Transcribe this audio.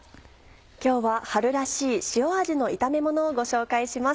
今日は春らしい塩味の炒め物をご紹介します。